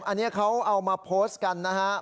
อันนี้เขาเอามาโพสต์กันนะฮะ